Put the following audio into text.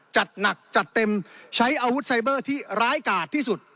จัดหนักจัดเต็มใช้อาวุธไซเบอร์ที่ร้ายกาดที่สุด